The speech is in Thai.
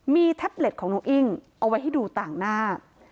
มีแท็บเล็ตของน้องอิ้งเอาไว้ให้ดูต่างหน้า